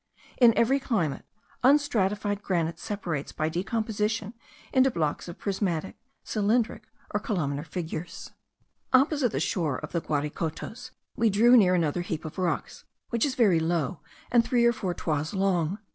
In every climate, unstratified granite separates by decomposition into blocks of prismatic, cylindric, or columnar figures. Opposite the shore of the Guaricotos, we drew near another heap of rocks, which is very low, and three or four toises long.